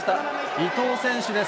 伊東選手です。